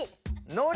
のり！